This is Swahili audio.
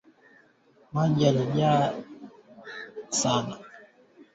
Thailand imekuwa ni kituo kikuu na sehemu ya mpito